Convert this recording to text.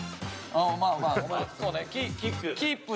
まあまあお前そうね・